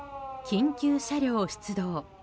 緊急車両出動。